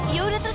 ya udah terus